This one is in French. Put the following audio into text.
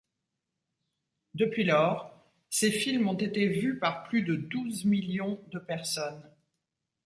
Depuis lors, ces films ont été vus par plus de douze millions de personnes.